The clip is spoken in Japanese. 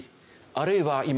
あるいは今